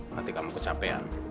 nanti kamu kecapean